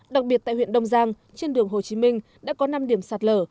đặc biệt tại huyện đông giang trên đường hồ chí minh đã có năm điểm sạt lở